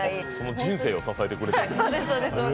人生を支えてくれていると。